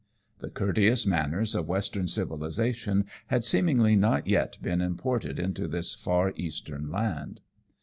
The courteous manners of Western civilization had seemingly not yet been imported into this far Eastern land.